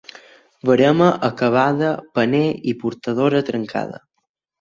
Verema acabada, paner i portadora trencada.